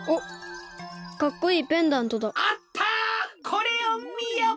これをみよ！